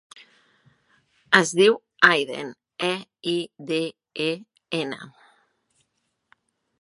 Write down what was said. Es diu Eiden: e, i, de, e, ena.